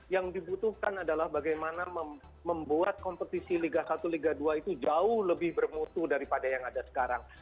yang dibutuhkan adalah bagaimana membuat kompetisi liga satu liga dua itu jauh lebih bermutu daripada yang ada sekarang